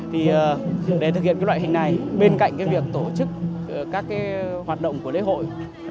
thì để thực hiện loại hình này bên cạnh việc tổ chức các hoạt động của lễ hội